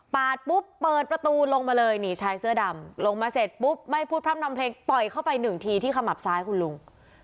ปุ๊บเปิดประตูลงมาเลยนี่ชายเสื้อดำลงมาเสร็จปุ๊บไม่พูดพร่ำนำเพลงต่อยเข้าไปหนึ่งทีที่ขมับซ้ายคุณลุง